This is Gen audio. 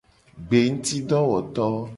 Gbengutidowoto.